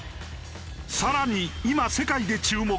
更に今世界で注目？